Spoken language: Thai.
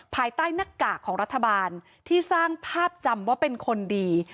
ภายใต้หน้ากากของรัฐบาลที่สร้างภาพจำว่าเป็นคนดี